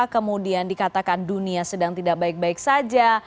kemudian dikatakan dunia sedang tidak baik baik saja